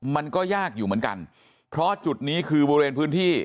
มันก็ยากอยู่เหมือนกันเพราะจุดนี้คือบริเวณพื้นที่